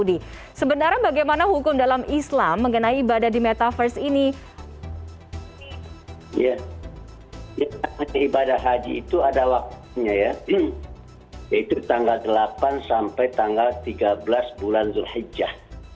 itu tanggal delapan sampai tanggal tiga belas bulan zulhijjah